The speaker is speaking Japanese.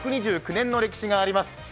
１２９年の歴史があります